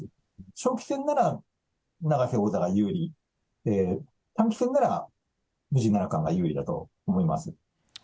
長期戦なら永瀬王座が有利で、短期戦なら藤井七冠が有利だと思います。